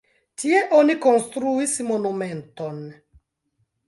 Tie oni konstruis monumenton.